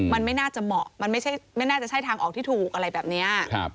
มันไม่น่าจะเหมาะมันไม่น่าจะใช่ทางออกที่ถูกอะไรแบบนี้